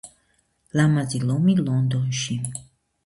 ლამაზი ლომი ლონდონში